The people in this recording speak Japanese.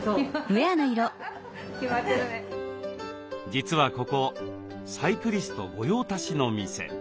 実はここサイクリスト御用達の店。